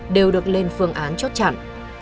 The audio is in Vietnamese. đều được lên phương án chốt chặn